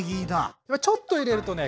これちょっと入れるとね